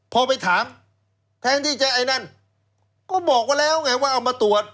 พอไปถามแทนที่จะไอ้นั่นก็บอกว่าแล้วไงว่าเอามาตรวจ